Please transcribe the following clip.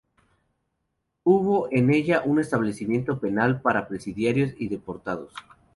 Hubo en ella un establecimiento penal para presidiarios y deportados.